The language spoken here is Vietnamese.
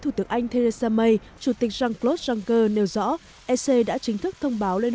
thủ tướng anh theresa may chủ tịch jean claude juncker nêu rõ ec đã chính thức thông báo lên